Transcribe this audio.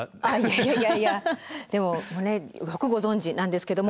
いやいやいやでもよくご存じなんですけども。